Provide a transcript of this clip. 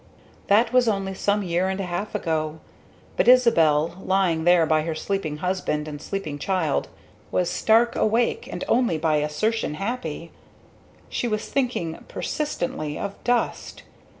That was only some year and a half ago, but Isabel, lying there by her sleeping husband and sleeping child, was stark awake and only by assertion happy. She was thinking, persistently, of dust.